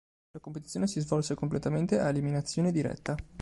La competizione si svolse completamente a eliminazione diretta.